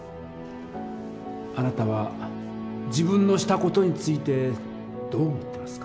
あなたは自分のした事についてどう思ってますか？